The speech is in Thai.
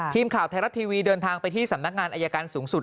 ทีมข่าวไทยรัฐทีวีเดินทางไปที่สำนักงานอายการสูงสุด